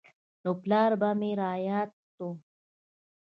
نو پلار به مې راياد سو.